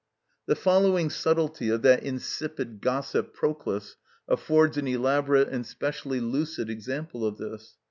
The following subtilty of that insipid gossip Proclus affords an elaborate and specially lucid example of this.